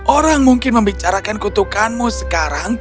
orang mungkin membicarakan kutukanmu sekarang